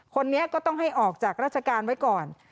คนนี้ก็ต้องให้ออกจากราชการไว้ก่อน